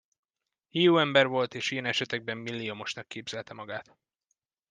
Hiú ember volt, és ilyen esetekben milliomosnak képzelte magát.